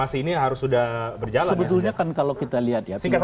sebetulnya kan kalau kita lihat